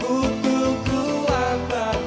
ure began matiku